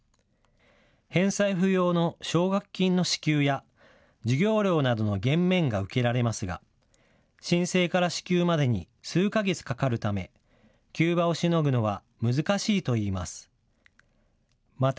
返済不要の奨学金の支給や、授業料などの減免が受けられますが、申請から支給までに数か月かかるため、急場をしのぐのは難しいといいます。